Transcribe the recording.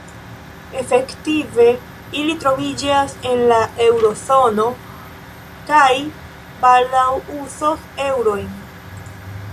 Efektive ili troviĝas en la eŭro-zono kaj baldaŭ uzos eŭrojn.